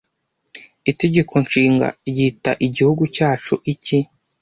Itegeko Nshinga ryita igihugu cyacu iki